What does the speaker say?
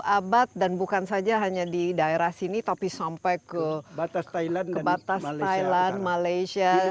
abad dan bukan saja hanya di daerah sini tapi sampai ke batas thailand malaysia